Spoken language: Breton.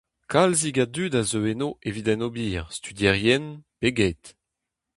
Kalzik a dud a zeu eno evit en ober, studierien pe get.